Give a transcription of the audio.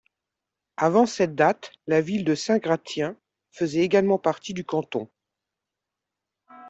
Avant cette date, la ville de Saint-Gratien faisait également partie du canton.